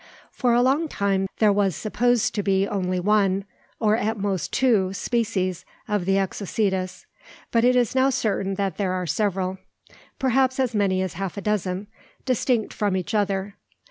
For a long time there was supposed to be only one, or at most two, species of the Exocetus; but it is now certain there are several perhaps as many as half a dozen distinct from each other.